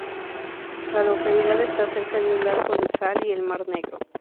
La localidad está cerca de un lago de sal y el Mar Negro.